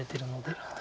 なるほど。